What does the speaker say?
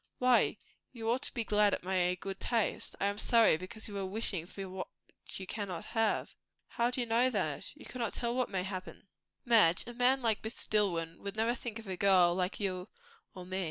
"Why? You ought to be glad at my good taste." "I am sorry, because you are wishing for what you cannot have." "How do you know that? You cannot tell what may happen." "Madge, a man like Mr. Dillwyn would never think of a girl like you or me."